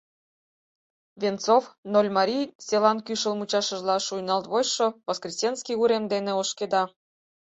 Венцов Нольмарий селан кӱшыл мучашыжла шуйналт вочшо Воскресенский урем дене ошкеда.